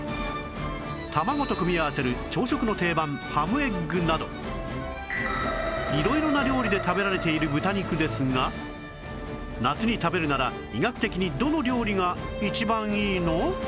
卵と組み合わせる朝食の定番ハムエッグなど色々な料理で食べられている豚肉ですが夏に食べるなら医学的にどの料理が一番いいの？